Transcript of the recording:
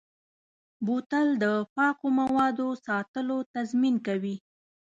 بوتل د پاکو موادو ساتلو تضمین کوي.